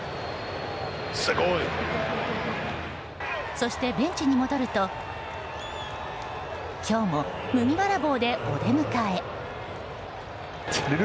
そしてベンチに戻ると今日も麦わら帽でお出迎え。